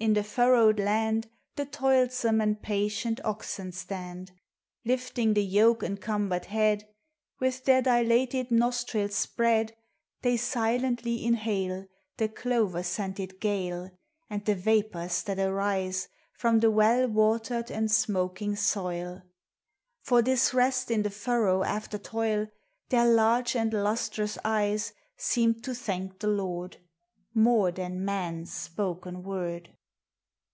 In Hie furrowed land The toilsome and patienl oxen stand ; Lifting the yoke encumbered head, Willi their dilated nostrils spread, They silently inhale The clover s> ented gale, Am! the vapors thai arise From the well watered and smol in "'I. For this resl in Hie furrow all' r t< il Their large and lustrous <•; Seem to thank the Lord, More than man's spoken wore!.